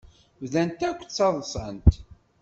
Bdant akk ttaḍsant.